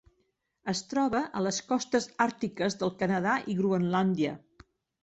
Es troba a les costes àrtiques del Canadà i Groenlàndia.